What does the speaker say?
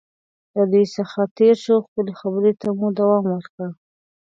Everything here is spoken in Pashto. له دوی څخه تېر شو، خپلې خبرې ته مو دوام ورکړ.